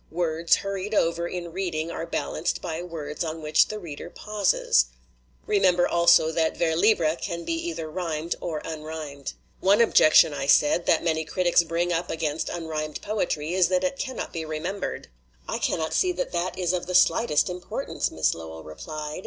Words hurried over in reading are bal anced by words on which the reader pauses. Remember, also, that vers libre can be either rhymed or unrhymed." "One objection," I said, "that many critics bring up against unrhymed poetry is that it can not be remembered." 258 THE NEW SPIRIT IN POETRY "I cannot see that that is of the slightest im portance," Miss Lowell replied.